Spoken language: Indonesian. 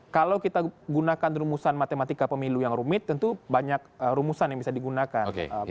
kalau kita gunakan rumusan matematika pemilu yang rumit tentu banyak rumusan yang bisa digunakan